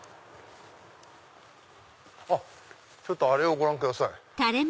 あっちょっとあれをご覧ください。